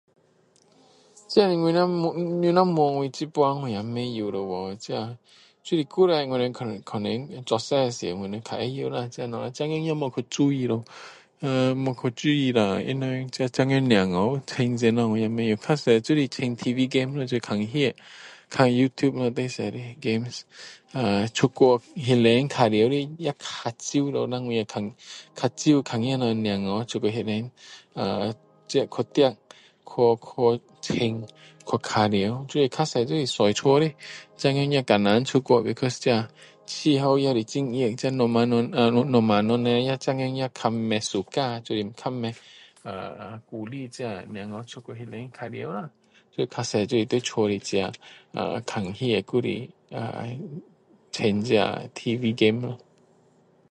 这你如果问我现在我也不知道这就是以前我们可可能做小的时候现在也没有去注意了没有去注意下他们这现在的小孩玩什么我也不懂比较多都是玩tv game 啦不然就是看戏啦看YouTube 咯最多的game 呃出去外面玩耍的也比较少了比较少看到小孩出去外面去跑去去玩玩耍比较多就是坐在家里现在也很难出去because 气候也很热这父母现在也比较不喜欢鼓励小孩子出去外面玩耍就是比较多在家看戏和玩tv game 咯